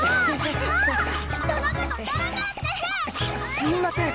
すすみません！